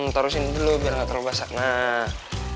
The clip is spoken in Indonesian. taruh sini dulu biar enggak terlalu basah